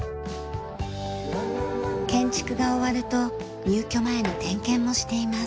建築が終わると入居前の点検もしています。